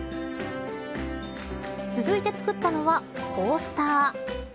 続いて作ったのはコースター。